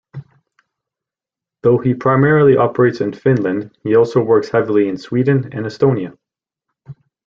Though he primarily operates in Finland he also works heavily in Sweden and Estonia.